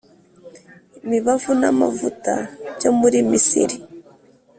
imibavu n amavuta byo muri misiri